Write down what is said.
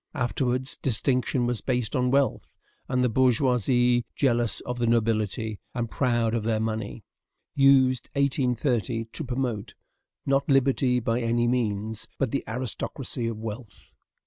Afterwards, distinction was based on wealth, and the bourgeoisie jealous of the nobility, and proud of their money, used 1830 to promote, not liberty by any means, but the aristocracy of wealth.